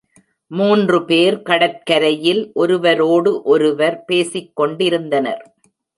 மூன்று பேர் கடற்கரையில் ஒருவரோடு ஒருவர் பேசிக்கொண்டிருந்தனர்.